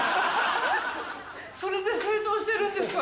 それで清掃してるんですか？